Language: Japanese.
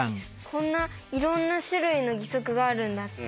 こんないろんな種類の義足があるんだって